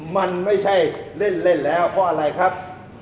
มันไม่ใช่เล่นแล้วเพราะอะไรครับ